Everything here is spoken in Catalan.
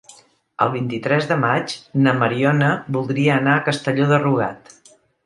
El vint-i-tres de maig na Mariona voldria anar a Castelló de Rugat.